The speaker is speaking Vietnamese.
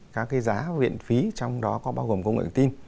các cái giá viện phí trong đó có bao gồm công nghệ tin